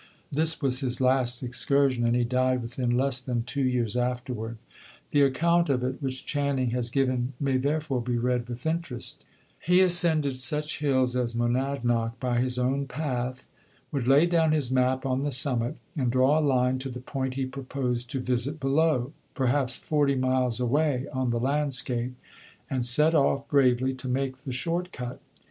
This was his last excursion, and he died within less than two years afterward. The account of it which Channing has given may therefore be read with interest: "He ascended such hills as Monadnoc by his own path; would lay down his map on the summit and draw a line to the point he proposed to visit below, perhaps forty miles away on the landscape, and set off bravely to make the 'shortcut.'